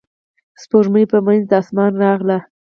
سپوږمۍ په منځ د اسمان راغله.